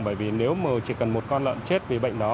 bởi vì nếu mà chỉ cần một con lợn chết vì bệnh đó